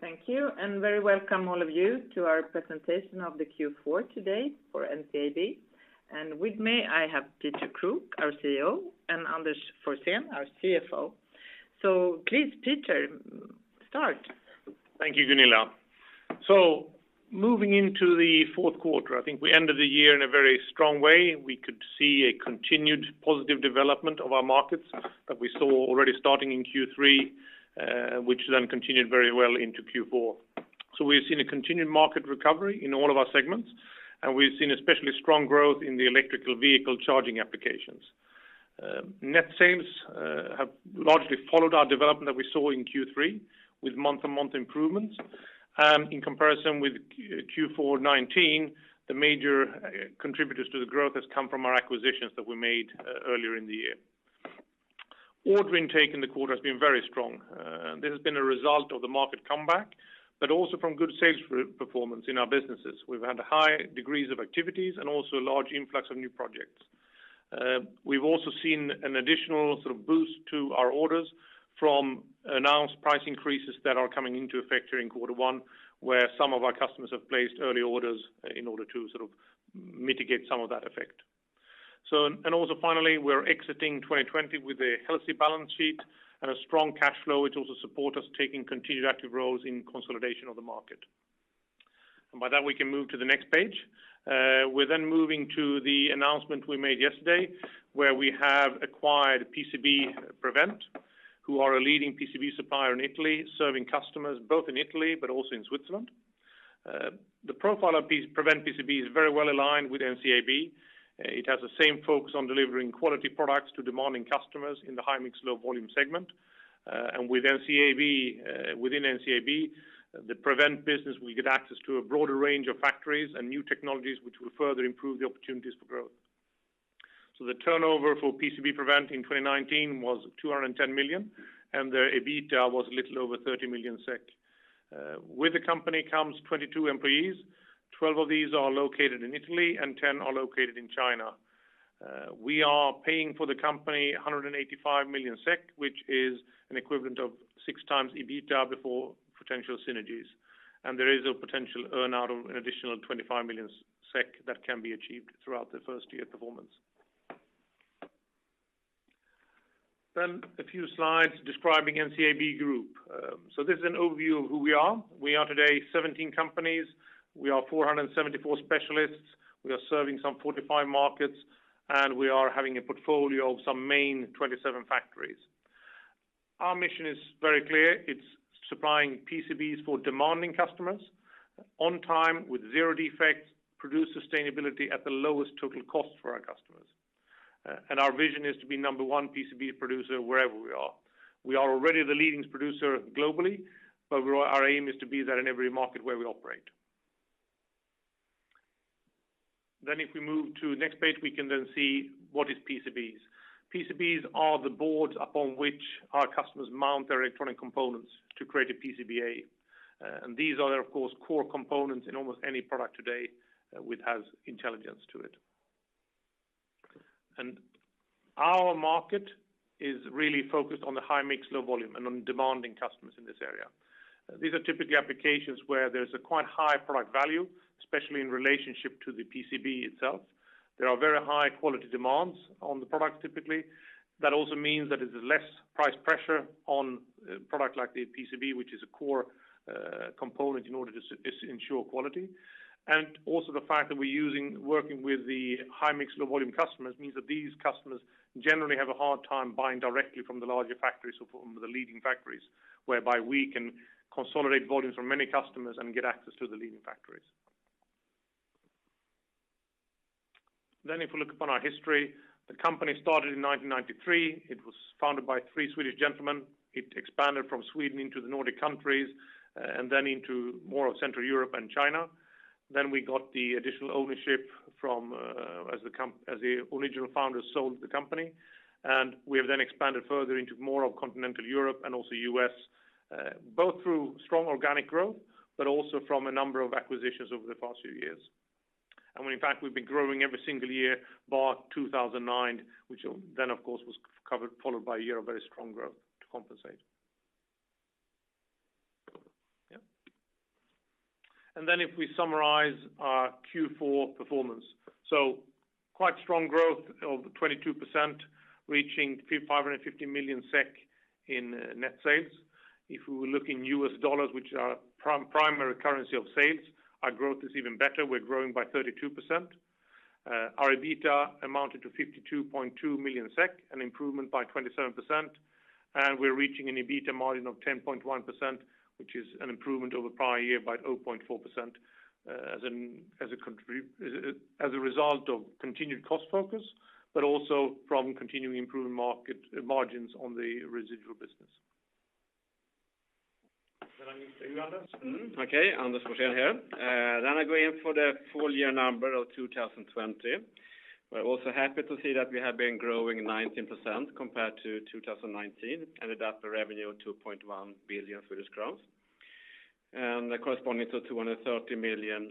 Thank you, very welcome all of you to our presentation of the Q4 today for NCAB. With me, I have Peter Kruk, our CEO, and Anders Forsén, our CFO. Please, Peter, start. Thank you, Gunilla. Moving into the fourth quarter, I think we ended the year in a very strong way. We could see a continued positive development of our markets that we saw already starting in Q3, which then continued very well into Q4. We've seen a continued market recovery in all of our segments, and we've seen especially strong growth in the electrical vehicle charging applications. Net sales have largely followed our development that we saw in Q3 with month-on-month improvements. In comparison with Q4 2019, the major contributors to the growth has come from our acquisitions that we made earlier in the year. Order intake in the quarter has been very strong. This has been a result of the market comeback, but also from good sales performance in our businesses. We've had high degrees of activities and also a large influx of new projects. We've also seen an additional boost to our orders from announced price increases that are coming into effect during quarter one, where some of our customers have placed early orders in order to mitigate some of that effect. Finally, we're exiting 2020 with a healthy balance sheet and a strong cash flow, which also support us taking continued active roles in consolidation of the market. By that, we can move to the next page. We're moving to the announcement we made yesterday where we have acquired PreventPCB, who are a leading PCB supplier in Italy, serving customers both in Italy but also in Switzerland. The profile of PreventPCB is very well-aligned with NCAB. It has the same focus on delivering quality products to demanding customers in the high-mix, low-volume segment. Within NCAB, the Prevent business will get access to a broader range of factories and new technologies, which will further improve the opportunities for growth. The turnover for PreventPCB in 2019 was 210 million, and their EBITDA was a little over 30 million SEK. With the company comes 22 employees. 12 of these are located in Italy and 10 are located in China. We are paying for the company 185 million SEK, which is an equivalent of six times EBITDA before potential synergies. There is a potential earn-out of an additional 25 million SEK that can be achieved throughout the first-year performance. A few slides describing NCAB Group. This is an overview of who we are. We are today 17 companies. We are 474 specialists. We are serving some 45 markets, and we are having a portfolio of some main 27 factories. Our mission is very clear. It's supplying PCBs for demanding customers on time with zero defects, produce sustainability at the lowest total cost for our customers. Our vision is to be number one PCB producer wherever we are. We are already the leading producer globally, but our aim is to be that in every market where we operate. If we move to next page, we can then see what is PCBs. PCBs are the boards upon which our customers mount their electronic components to create a PCBA. These are, of course, core components in almost any product today which has intelligence to it. Our market is really focused on the high-mix, low-volume and on demanding customers in this area. These are typically applications where there's a quite high product value, especially in relationship to the PCB itself. There are very high quality demands on the product typically. That also means that there's less price pressure on a product like the PCB, which is a core component in order to ensure quality. Also the fact that we're working with the high-mix, low-volume customers means that these customers generally have a hard time buying directly from the larger factories or from the leading factories, whereby we can consolidate volumes from many customers and get access to the leading factories. If we look upon our history, the company started in 1993. It was founded by three Swedish gentlemen. It expanded from Sweden into the Nordic countries and then into more of Central Europe and China. We got the additional ownership as the original founders sold the company. We have then expanded further into more of continental Europe and also U.S., both through strong organic growth, but also from a number of acquisitions over the past few years. When in fact, we've been growing every single year, bar 2009, which then, of course, was followed by a year of very strong growth to compensate. Yeah. Then if we summarize our Q4 performance. Quite strong growth of 22%, reaching 550 million SEK in net sales. If we look in U.S. dollars, which are our primary currency of sales, our growth is even better. We're growing by 32%. Our EBITDA amounted to 52.2 million SEK, an improvement by 27%, and we're reaching an EBITDA margin of 10.1%, which is an improvement over the prior year by 0.4% as a result of continued cost focus, but also from continuing improving margins on the residual business. I move to you, Anders. Okay, Anders Forsén here. I go in for the full year number of 2020. We're also happy to see that we have been growing 19% compared to 2019, and in terms of revenue, 2.1 billion Swedish crowns. Corresponding to $230 million,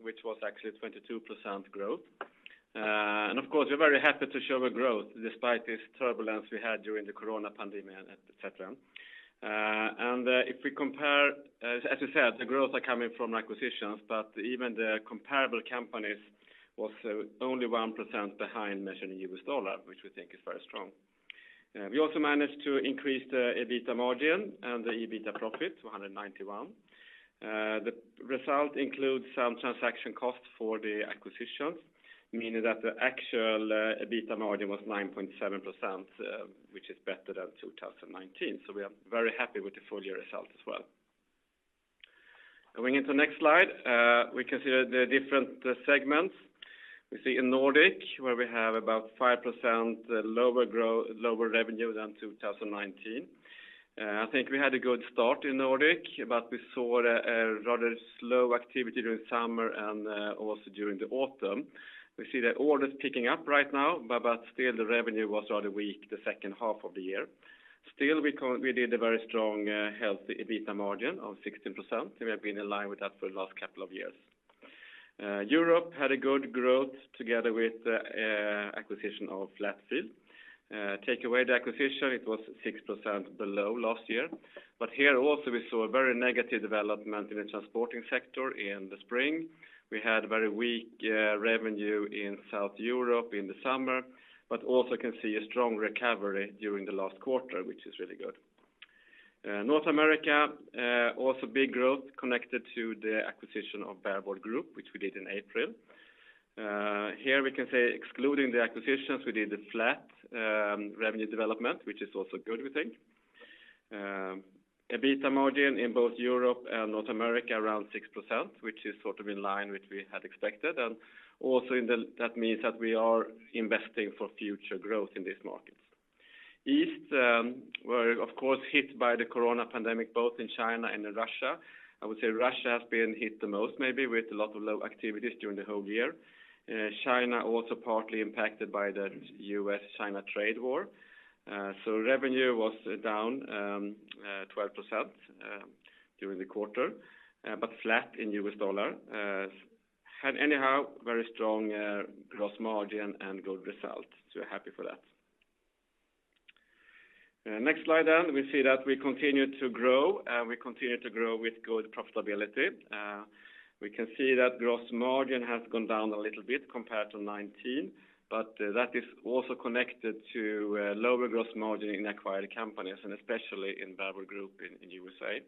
which was actually a 22% growth. Of course, we're very happy to show a growth despite this turbulence we had during the corona pandemic, et cetera. As I said, the growth are coming from acquisitions, but even the comparable companies was only 1% behind measured in U.S. dollar, which we think is very strong. We also managed to increase the EBITDA margin and the EBITDA profit to 191. The result includes some transaction costs for the acquisitions, meaning that the actual EBITDA margin was 9.7%, which is better than 2019. We are very happy with the full year results as well. Going into the next slide, we can see the different segments. We see in Nordic, where we have about 5% lower revenue than 2019. I think we had a good start in Nordic, we saw a rather slow activity during summer and also during the autumn. We see the orders picking up right now, but still the revenue was rather weak the second half of the year. Still, we did a very strong, healthy EBITDA margin of 16%. We have been in line with that for the last couple of years. Europe had a good growth together with the acquisition of Flatfield. Take away the acquisition, it was 6% below last year. Here also we saw a very negative development in the transporting sector in the spring. We had very weak revenue in South Europe in the summer, but also can see a strong recovery during the last quarter, which is really good. North America, also big growth connected to the acquisition of Bare Board Group, which we did in April. Here we can say excluding the acquisitions, we did a flat revenue development, which is also good, we think. EBITDA margin in both Europe and North America around 6%, which is in line with we had expected, and also that means that we are investing for future growth in these markets. East were of course hit by the corona pandemic, both in China and in Russia. I would say Russia has been hit the most, maybe, with a lot of low activities during the whole year. China also partly impacted by the U.S.-China trade war. Revenue was down 12% during the quarter, but flat in U.S. dollar. We had anyhow, very strong gross margin and good results, so we're happy for that. Next slide, we see that we continue to grow and we continue to grow with good profitability. We can see that gross margin has gone down a little bit compared to 2019, but that is also connected to lower gross margin in acquired companies and especially in Bare Board Group in the U.S.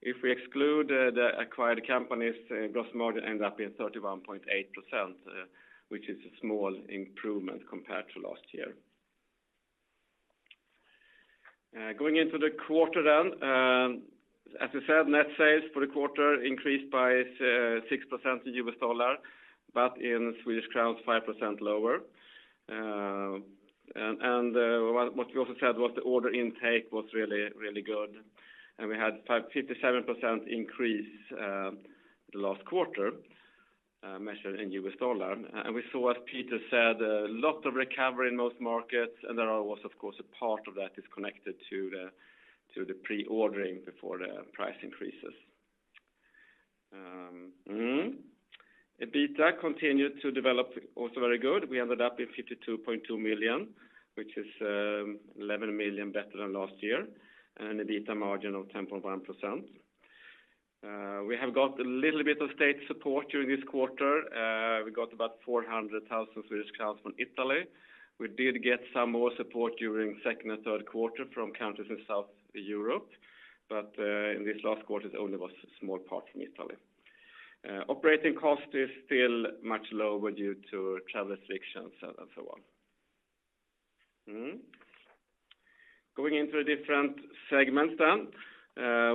If we exclude the acquired companies, gross margin ends up being 31.8%, which is a small improvement compared to last year. Going into the quarter then, as we said, net sales for the quarter increased by 6% in U.S. dollar, but in SEK, 5% lower. What we also said was the order intake was really good, and we had 57% increase the last quarter, measured in U.S. dollar. We saw, as Peter said, a lot of recovery in most markets, and there are also, of course, a part of that is connected to the pre-ordering before the price increases. EBITDA continued to develop also very good. We ended up in 52.2 million, which is 11 million better than last year, and an EBITDA margin of 10.1%. We have got a little bit of state support during this quarter. We got about 400,000 Swedish crowns from Italy. We did get some more support during second and third quarter from countries in South Europe. In this last quarter, it only was a small part from Italy. Operating cost is still much lower due to travel restrictions and so on. Going into the different segments.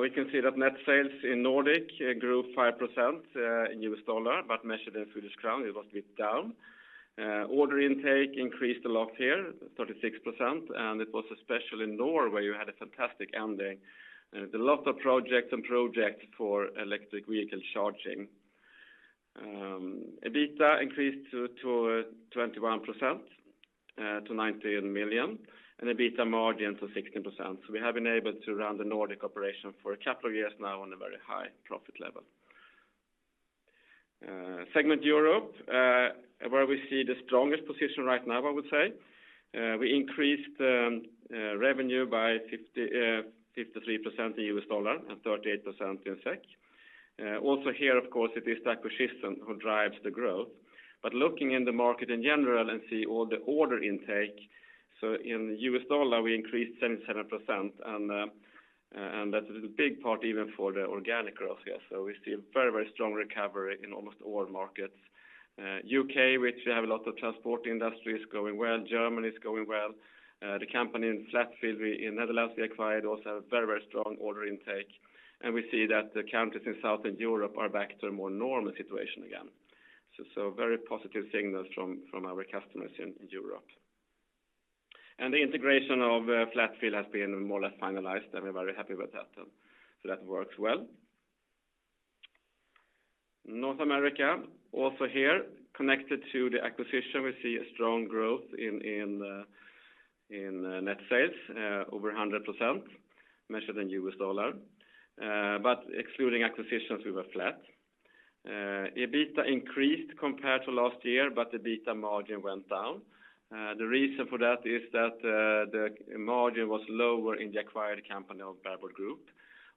We can see that net sales in Nordic grew 5% in U.S. dollar, but measured in SEK, it was a bit down. Order intake increased a lot here, 36%, and it was especially in Norway you had a fantastic ending. There was a lot of projects and projects for electric vehicle charging. EBITDA increased to 21%, to 19 million, and EBITDA margin to 16%. We have been able to run the Nordic operation for a couple of years now on a very high profit level. Segment Europe, where we see the strongest position right now, I would say. We increased revenue by 53% in U.S. dollar and 38% in SEK. Also here, of course, it is the acquisition who drives the growth. Looking in the market in general and see all the order intake, in U.S. dollar, we increased 77%, and that is a big part even for the organic growth here. We see a very strong recovery in almost all markets. U.K., which we have a lot of transport industries, going well. Germany is going well. The company in Flatfield in Netherlands we acquired also have very strong order intake. We see that the countries in Southern Europe are back to a more normal situation again. Very positive signals from our customers in Europe. The integration of Flatfield has been more or less finalized, and we're very happy with that. That works well. North America, also here, connected to the acquisition, we see a strong growth in net sales over 100%, measured in U.S. dollar. Excluding acquisitions, we were flat. EBITDA increased compared to last year, the EBITDA margin went down. The reason for that is that the margin was lower in the acquired company of Bare Board Group.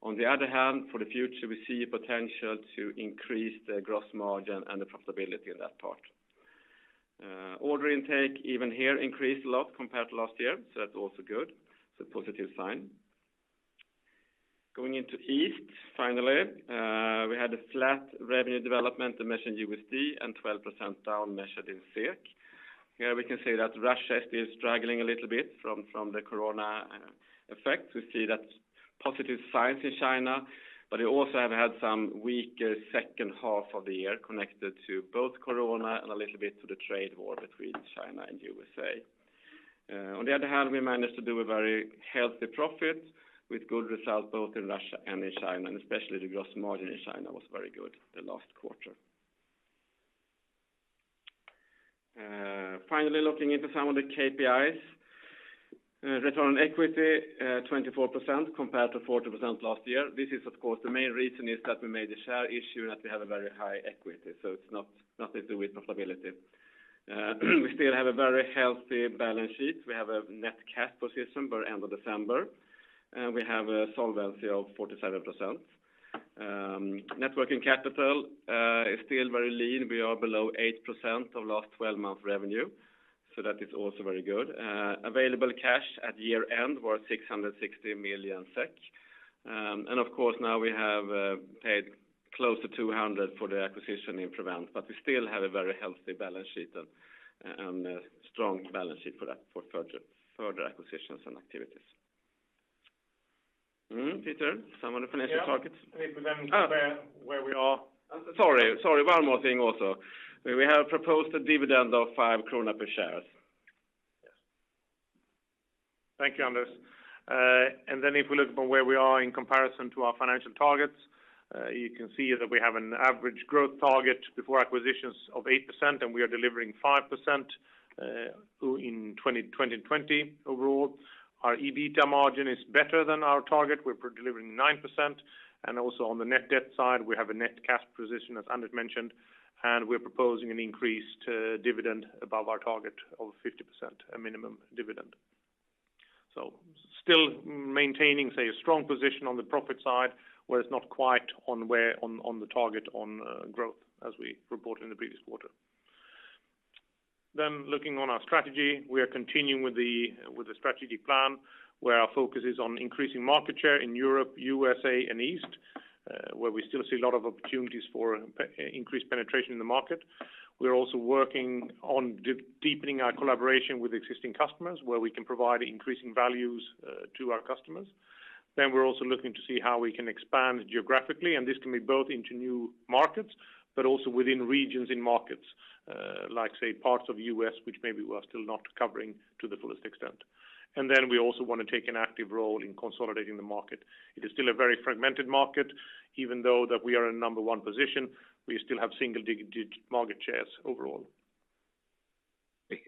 On the other hand, for the future, we see potential to increase the gross margin and the profitability in that part. Order intake, even here, increased a lot compared to last year, that's also good. It's a positive sign. Going into East, finally. We had a flat revenue development, measured in USD, and 12% down, measured in SEK. Here we can say that Russia is struggling a little bit from the corona effect. We see those positive signs in China, but we also have had some weaker second half of the year connected to both corona and a little bit to the trade war between China and the U.S. On the other hand, we managed to do a very healthy profit with good results both in Russia and in China, and especially the gross margin in China was very good the last quarter. Finally, looking into some of the KPIs. Return on equity 24% compared to 40% last year. The main reason is that we made a share issue, and that we have a very high equity, so it's not to do with profitability. We still have a very healthy balance sheet. We have a net cash position by end of December, and we have a solvency of 47%. Net working capital is still very lean. We are below 8% of last 12-month revenue, so that is also very good. Available cash at year-end was 660 million SEK. Of course, now we have paid close to 200 million for the acquisition in Prevent, but we still have a very healthy balance sheet and a strong balance sheet for further acquisitions and activities. Peter, some of the financial targets? Yeah. Sorry. One more thing also. We have proposed a dividend of 5 krona per share. Thank you, Anders. If we look from where we are in comparison to our financial targets, you can see that we have an average growth target before acquisitions of 8%, and we are delivering 5% in 2020 overall. Our EBITDA margin is better than our target. We're delivering 9%. Also on the net debt side, we have a net cash position, as Anders mentioned, and we're proposing an increase to dividend above our target of 50%, a minimum dividend. Still maintaining a strong position on the profit side, where it's not quite on the target on growth as we reported in the previous quarter. Looking on our strategy, we are continuing with the strategic plan where our focus is on increasing market share in Europe, USA and East, where we still see a lot of opportunities for increased penetration in the market. We are also working on deepening our collaboration with existing customers, where we can provide increasing values to our customers. We're also looking to see how we can expand geographically, and this can be both into new markets, but also within regions in markets, like say parts of U.S., which maybe we are still not covering to the fullest extent. We also want to take an active role in consolidating the market. It is still a very fragmented market. Even though that we are in number one position, we still have single-digit market shares overall. Okay.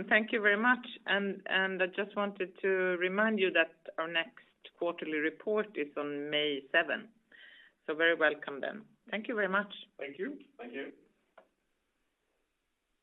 Thank you very much. I just wanted to remind you that our next quarterly report is on May 7th. Very welcome then. Thank you very much. Thank you. Thank you.